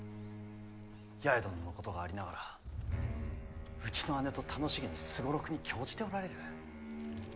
八重殿のことがありながらうちの姉と楽しげに双六に興じておられる。